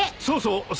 そうそう！